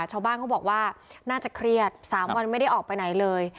ชาวบ้านเขาบอกว่าน่าจะเครียด๓วันไม่ได้ออกไปไหนเลย